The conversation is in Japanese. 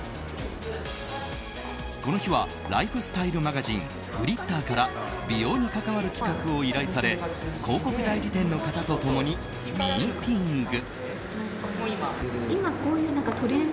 この日はライフスタイルマガジン「ＧＬＩＴＴＥＲ」から美容に関わる企画を依頼され広告代理店の方と共にミーティング。